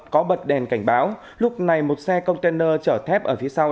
có bật đèn cảnh báo lúc này một xe container chở thép ở phía sau